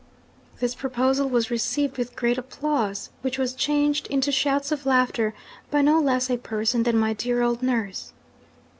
'This proposal was received with great applause, which was changed into shouts of laughter by no less a person than my dear old nurse.